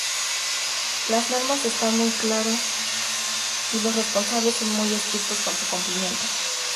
Las normas están muy claras y los responsables son muy estrictos con su cumplimiento.